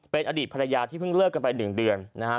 เป็นอดีตภรรยาที่เพิ่งเลิกกันไป๑เดือนนะครับ